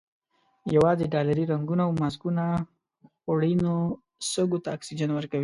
یوازې ډالري رنګونه او ماسکونه خوړینو سږیو ته اکسیجن ورکوي.